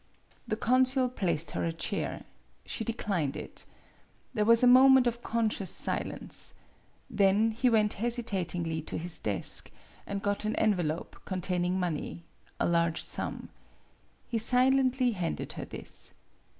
The consul placed her a chair. She de clined it. There was a moment of conscious silence. Then he went hesitatingly to his desk, and got an envelop containing money a large sum. He silently handed her this.